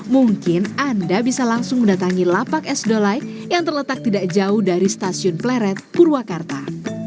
mungkin anda bisa langsung mendatangi lapak es dolai yang terletak tidak jauh dari stasiun pleret purwakarta